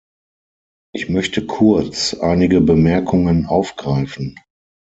Ich möchte kurz einige Bemerkungen aufgreifen.